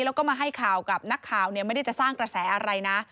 แล้วก็มาให้ข่าวกับนักข่าวไม่ได้จะสร้างกระแสอะไรนะ